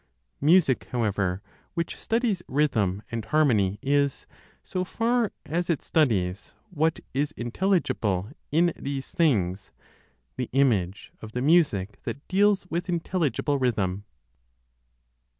Music, however, which studies rhythm and harmony, is, so far as it studies what is intelligible in these things, the image of the music that deals with intelligible rhythm.